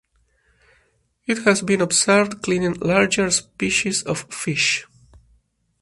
It has been observed cleaning larger species of fish.